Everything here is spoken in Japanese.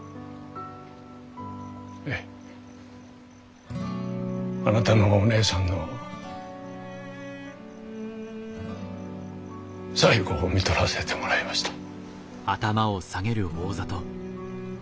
ええあなたのお姉さんの最期をみとらせてもらいました。